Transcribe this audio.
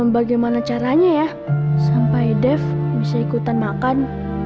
bagaimana caranya ya sampai def bisa ikutan makan